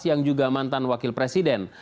yang juga mantan wakil presiden